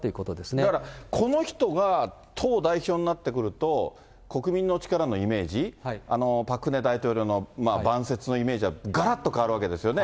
だから、この人が党代表になってくると、国民の力のイメージ、パク・クネ大統領の晩節のイメージはがらっと変わるわけですよね。